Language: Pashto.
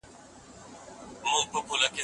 مذهبي بدلون د ټولنپوهنې په پیدایښت کي مرسته وکړه.